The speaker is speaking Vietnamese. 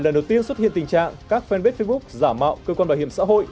lần đầu tiên xuất hiện tình trạng các fanpage facebook giả mạo cơ quan bảo hiểm xã hội